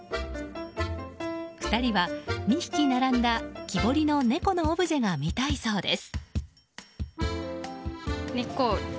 ２人は２匹並んだ木彫りの猫のオブジェが見たいそうです。